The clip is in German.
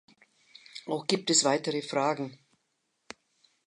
Auch gibt es weitere Fragen.